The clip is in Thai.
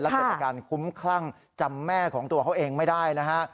เกิดอาการคุ้มคลั่งจำแม่ของตัวเขาเองไม่ได้นะฮะ